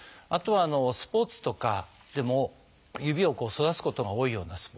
あとはスポーツとかでも指を反らすことが多いようなスポーツ。